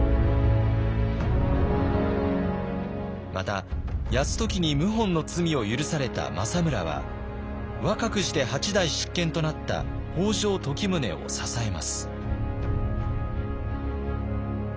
また泰時に謀反の罪を許された政村は若くして８代執権となった北条時宗を支えます。